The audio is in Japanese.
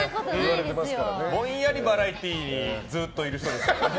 ぼんやりバラエティーにずっといる人。